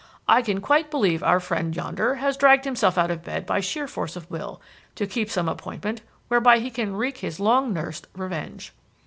I can quite believe our friend yonder has dragged himself out of bed by sheer force of will to keep some appointment whereby he can wreak his long nursed revenge."